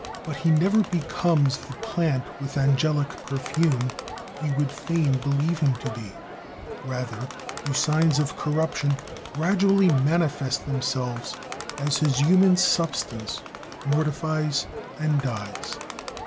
But he never becomes the "plant with angelic perfume" we would fain believe him to be; rather do signs of corruption gradually manifest themselves as his "human substance" mortifies and dies.